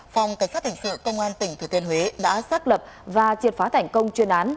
phòng cảnh sát thành sự công an tỉnh thừa thiên huế đã xác lập và triệt phá thành công chuyên án